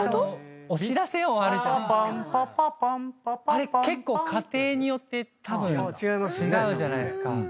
あれ結構家庭によってたぶん違うじゃないですか。